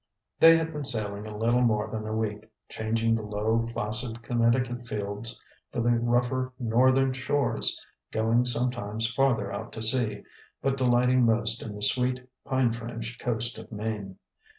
They had been sailing a little more than a week, changing the low, placid Connecticut fields for the rougher northern shores, going sometimes farther out to sea, but delighting most in the sweet, pine fringed coast of Maine.